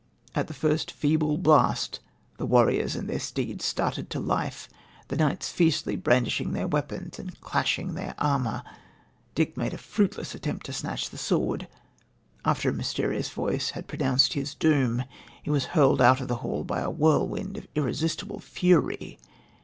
At the first feeble blast the warriors and their steeds started to life, the knights fiercely brandishing their weapons and clashing their armour. Dick made a fruitless attempt to snatch the sword. After a mysterious voice had pronounced his doom he was hurled out of the hall by a whirlwind of irresistible fury.